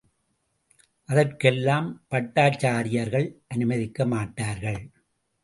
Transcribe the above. அதற்கெல்லாம் பட்டாச்சாரியார்கள் அனுமதிக்க மாட்டார்கள்.